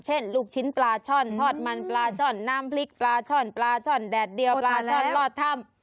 ลูกชิ้นปลาช่อนทอดมันปลาช่อนน้ำพริกปลาช่อนปลาช่อนแดดเดียวปลาช่อนลอดถ้ำ